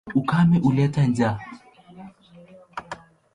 Ukame huleta njaa.